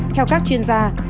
theo các chuyên gia